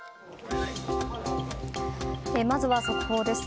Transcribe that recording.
まずは速報です。